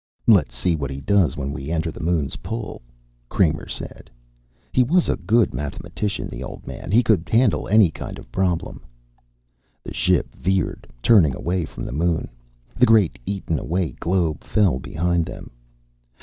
"Let's see what he does when we enter the moon's pull," Kramer said. "He was a good mathematician, the old man. He could handle any kind of problem." The ship veered, turning away from the moon. The great eaten away globe fell behind them.